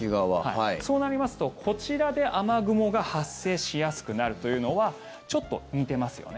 そうなりますと、こちらで雨雲が発生しやすくなるというのはちょっと似てますよね。